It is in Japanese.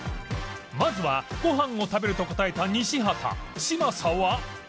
まずは「ご飯を食べる」と答えた西畑嶋佐は？